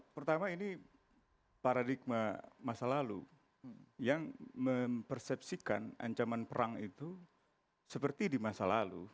pertama ini paradigma masa lalu yang mempersepsikan ancaman perang itu seperti di masa lalu